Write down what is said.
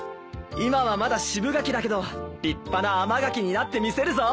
今はまだ渋柿だけど立派な甘柿になってみせるぞ！